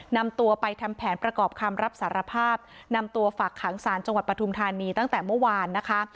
นำตัวไปทำแผนประกอบคำรับสารภาพนำตัวฝากขังสารจังหวัดปฐุมธานีตั้งแต่เมื่อวานนะคะ